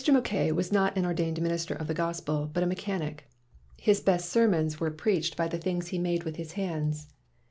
MACKAY was not an ordained M * minister of the gospel, but a mechanic. His best sermons were preached by the things he made with his hands.